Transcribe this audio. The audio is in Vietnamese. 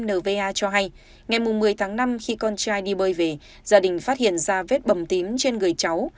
nva cho hay ngày một mươi tháng năm khi con trai đi bơi về gia đình phát hiện ra vết bầm tím trên người cháu